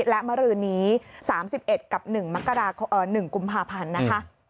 และเมื่อรืนนี้๓๑กับ๑กุมภาพันธ์นะคะ